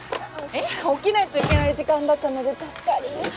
起きないといけない時間だったので助かりました。